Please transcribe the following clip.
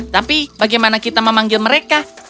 tapi bagaimana kita memanggil mereka